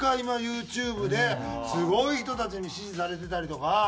今ユーチューブですごい人たちに支持されてたりとか。